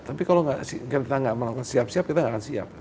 tapi kalau kita nggak melakukan siap siap kita nggak akan siap